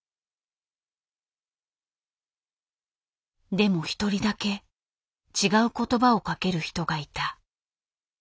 でも一人だけ違う言葉をかける人がいた。